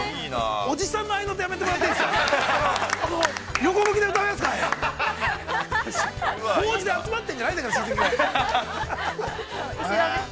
◆おじさんの合いの手やめてもらっていいですか。